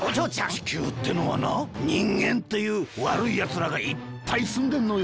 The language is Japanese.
ちきゅうってのはなにんげんっていうわるいやつらがいっぱいすんでんのよ。